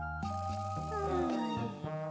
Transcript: うん。